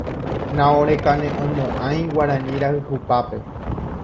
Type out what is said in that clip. Naorekaneʼõmoʼãi Guarani rayhupápe.